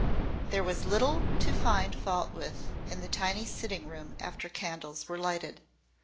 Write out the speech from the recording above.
There was little to find fault with in the tiny sitting room after candles were lighted.